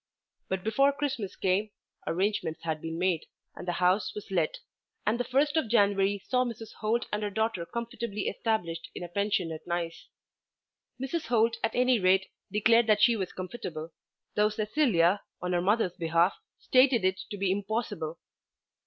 But before Christmas came, arrangements had been made, and the house was let, and the first of January saw Mrs. Holt and her daughter comfortably established in a pension at Nice. Mrs. Holt at any rate declared that she was comfortable, though Cecilia on her mother's behalf stated it to be impossible.